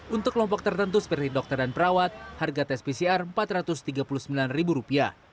untuk kelompok tertentu seperti dokter dan perawat harga tes pcr rp empat ratus tiga puluh sembilan